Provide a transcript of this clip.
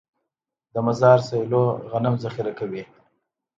د مزار سیلو غنم ذخیره کوي.